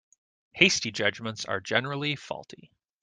Hasty judgements are generally faulty.